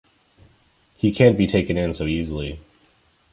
He can’t be taken in so easily.